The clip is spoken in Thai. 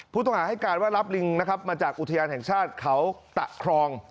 ผู้ต้องหาให้การว่ารับลิงนะครับมาจากอุทยานแห่งชาติเขาตะครอง